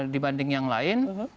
dibanding yang lain